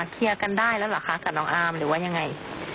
เคลียร์กันได้แล้วเหรอคะกับน้องอาร์มหรือว่ายังไง